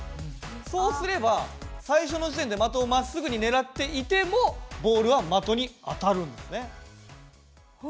そうすれば最初の時点で的をまっすぐにねらっていてもボールは的に当たるんですね。